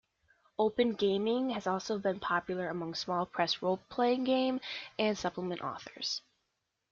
Open gaming has also been popular among small press role-playing game and supplement authors.